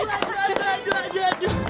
aduh aduh aduh aduh aduh